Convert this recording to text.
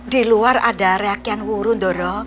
di luar ada reakian wuru dorong